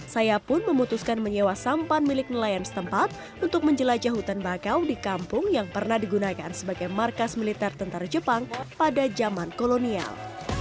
saya pun memutuskan menyewa sampan milik nelayan setempat untuk menjelajah hutan bakau di kampung yang pernah digunakan sebagai markas militer tentara jepang pada zaman kolonial